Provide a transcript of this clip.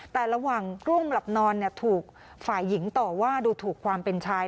แต่ระหว่างร่วมหลับนอนถูกฝ่ายหญิงต่อว่าดูถูกความเป็นชาย